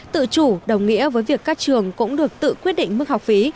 tự chủ đồng nghĩa với việc các trường cũng được tự quyết định mức học phí